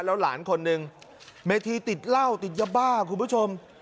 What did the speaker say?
แล้วหลานคนหนึ่งเมธีติดเหล้าติดยาบ้าคุณผู้ชม